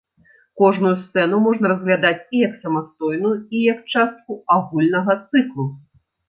Кожную сцэну можна разглядаць і як самастойную, і як частку агульнага цыклу.